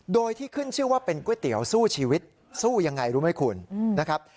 โดยที่ขึ้นชื่อว่าเป็นก๋วยเตี๋ยวสู้ชีวิตสู้ยังไงรู้ไหมคุณนะครับ